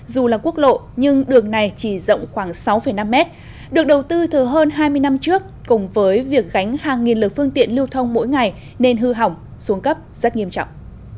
dù là quốc lộ nhưng đường này chỉ rộng khoảng sáu năm mét được đầu tư thừa hơn hai mươi năm trước cùng với việc gánh hàng nghìn lực phương tiện lưu thông mỗi ngày nên hư hỏng xuống cấp rất nghiêm trọng